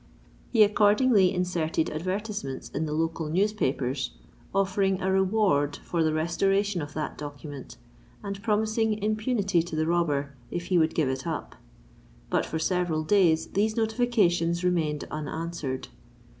He accordingly inserted advertisements in the local newspapers, offering a reward for the restoration of that document, and promising impunity to the robber, if he would give it up. But for several days these notifications remained unanswered.